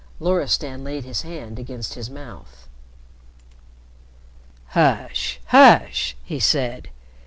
Loristan laid his hand against his mouth. "Hush! hush!" he said.